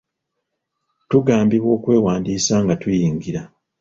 Tugambibwa okwewandiisa nga tuyingira.